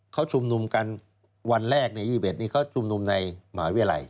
เขาชุมนุมกันวันแรกใน๒๑นี้เขาชุมนุมในมหาวิทยาลัย